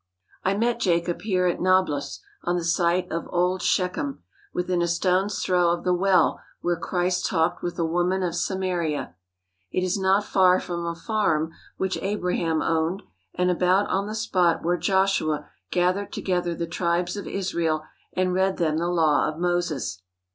I met Jacob here at Nablus on the site of old Shechem, within a stone's throw of the well where Christ talked with the woman of Samaria. It is not far from a farm which Abraham owned, and about on the spot where Joshua gathered together the tribes of Israel and read them the law of Moses.